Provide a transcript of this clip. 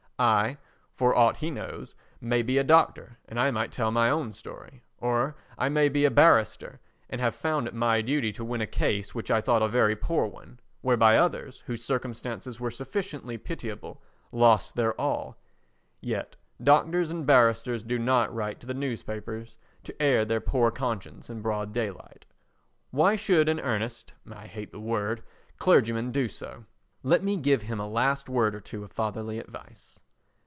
I, for aught he knows, may be a doctor and I might tell my own story; or I may be a barrister and have found it my duty to win a case which I thought a very poor one, whereby others, whose circumstances were sufficiently pitiable, lost their all; yet doctors and barristers do not write to the newspapers to air their poor consciences in broad daylight. Why should An Earnest (I hate the word) Clergyman do so? Let me give him a last word or two of fatherly advice.